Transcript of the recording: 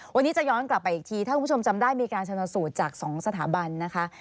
วันนี้จะย้อนกลับไปอีกทีถ้าคุณผู้ชมจำได้มีการชนสูตรจาก๒สถาบันนะคะ